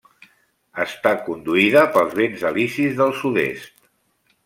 Està conduïda pels vents alisis del sud-est.